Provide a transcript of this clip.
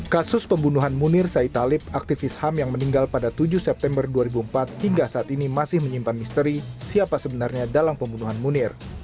kasus pembunuhan munir said talib aktivis ham yang meninggal pada tujuh september dua ribu empat hingga saat ini masih menyimpan misteri siapa sebenarnya dalam pembunuhan munir